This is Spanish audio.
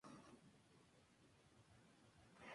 Mikel Arana fue elegido coordinador general.